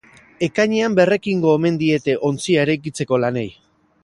Ekainean berrekingo omen diete ontzia eraikitzeko lanei.